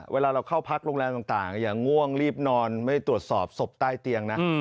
เวลาเราเข้าพักโรงแรมต่างอย่างง่วงรีบนอนไม่ตรวจสอบศพใต้เตียงนะ